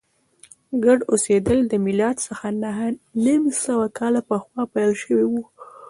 ګډ اوسېدل له میلاد څخه نهه نیم سوه کاله پخوا پیل شوي و